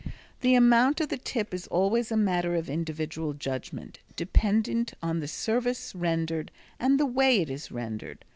The amount of the tip is always a matter of individual judgment, dependent upon the service rendered, and the way it is rendered.